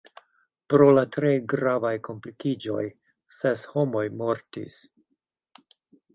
Pro la tre gravaj komplikiĝoj ses homoj mortis.